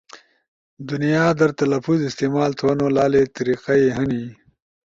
دنیا در تلفظ استعمال تھونو لالے طریقہ ئی ہنی،